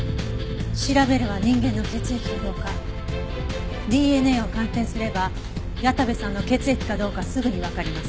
調べれば人間の血液かどうかＤＮＡを鑑定すれば矢田部さんの血液かどうかすぐにわかります。